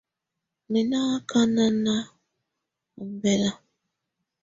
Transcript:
Mɛ nɔ́ ákana ɔmbɛla.